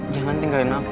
jangan tinggalin aku